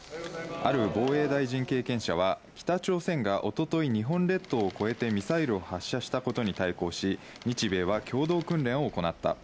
ある防衛大臣経験者は、北朝鮮が一昨日、日本列島を越えてミサイルを発射したことに対抗し、日米は共同訓練を行った。